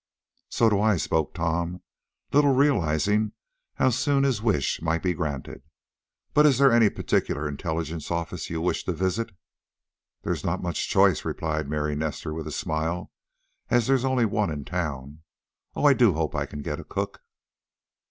"So do I," spoke Tom, little realizing how soon his wish might be granted. "But is there any particular intelligence office you wish to visit?" "There's not much choice," replied Mary Nestor, with a smile, "as there's only one in town. Oh. I do hope I can get a cook!